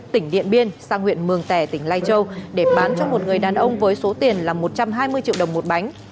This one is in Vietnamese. tỉnh điện biên sang huyện mường tẻ tỉnh lai châu để bán cho một người đàn ông với số tiền là một trăm hai mươi triệu đồng một bánh